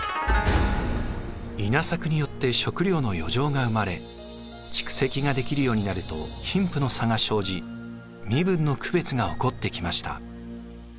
稲作によって食料の余剰が生まれ蓄積ができるようになると貧富の差が生じ身分の区別が起こってきました。